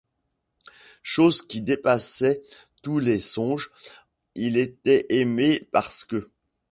Chose qui dépassait tous les songes, il était aimé parce que!